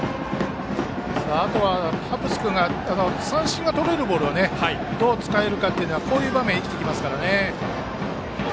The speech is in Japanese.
あとは、ハッブス君が三振をとれるボールをどう使えるか、こういう場面で生きてきますからね。